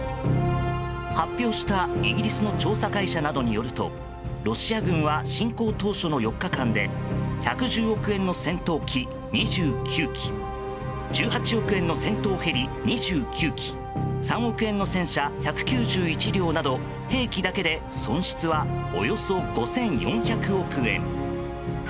発表したイギリスの調査会社などによりますとロシア軍は侵攻当初の４日間で１１０億円の戦闘機２９機１８億円の戦闘ヘリ２９機３億円の戦車１９１両など兵器だけで損失はおよそ５４００億円。